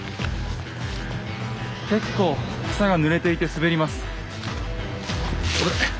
結構草がぬれていて滑ります。